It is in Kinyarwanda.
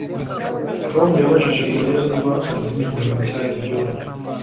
Tom yabajije Mariya niba azi nimero nshya ya John